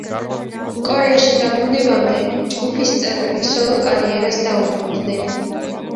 კორეაში დაბრუნებამდე ჯგუფის წევრები სოლო კარიერას დაუბრუნდნენ.